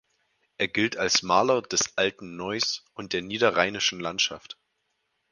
Er gilt als Maler des „alten Neuss“ und der niederrheinischen Landschaft.